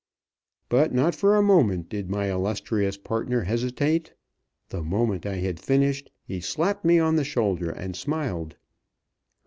But not for a moment did my illustrious partner hesitate. The moment I had finished, he slapped me on the shoulder and smiled.